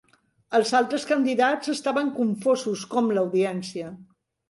Els altres candidats estaven confosos, com l'audiència.